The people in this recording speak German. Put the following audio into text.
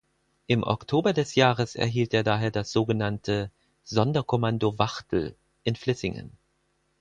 Im Oktober des Jahres erhielt er daher das sogenannte „Sonderkommando Wachtel“ in Vlissingen.